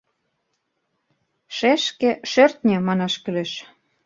Шешке — шӧртньӧ манаш кӱлеш.